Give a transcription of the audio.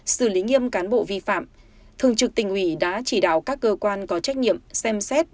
xử lý nghiêm cán bộ vi phạm thường trực tỉnh ủy đã chỉ đạo các cơ quan có trách nhiệm xem xét